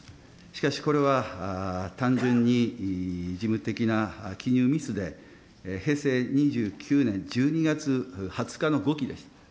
しかし、これは単純に事務的な記入ミスで、平成２９年１２月２０日の誤記です。